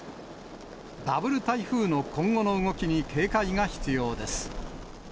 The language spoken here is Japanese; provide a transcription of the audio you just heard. ダブル台風の今後の動きに警戒が必要です。